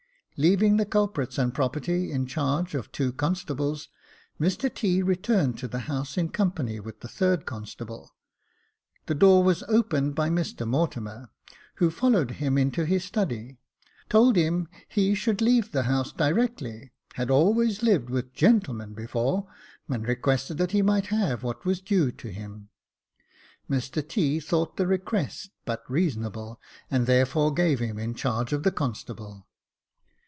Leaving the culprits and property in charge of two constables, Mr T. returned to the house in company with the third constable ; the door was opened by Mr Mortimer, who followed him into his study, told him he should leave the house directly, had always lived with gentlemen before, and requested that he might have what was due to him. Mr T. thought the request but reasonable and therefore gave him in charge of the constable.